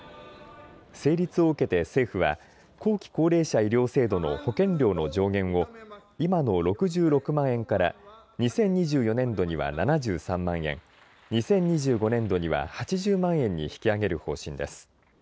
成立を受けて政府は後期高齢者医療制度の保険料の上限を今の６６万円から２０２４年度には７３万円、２０２５年度には８０万円に引き上げる方針です。